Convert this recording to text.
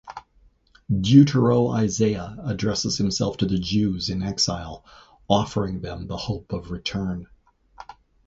Deutero-Isaiah addresses himself to the Jews in exile, offering them the hope of return.